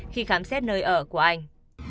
khi khám xét nơi ở của anh